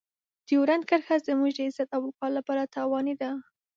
ډیورنډ کرښه زموږ د عزت او وقار لپاره تاواني ده.